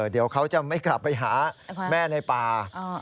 เดี๋ยวเขาจะไม่กลับไปหาแม่ในป่า